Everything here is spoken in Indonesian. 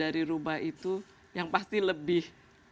dari rubah itu yang pasti lebih